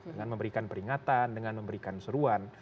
dengan memberikan peringatan dengan memberikan seruan